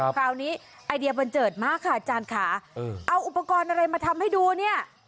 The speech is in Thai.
เกิดมากค่ะอาจารย์ค่ะเอาอุปกรณ์อะไรมาทำให้ดูเนี่ย